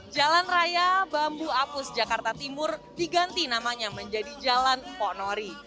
jalan raya bambu apus jakarta timur diganti namanya menjadi jalan ponori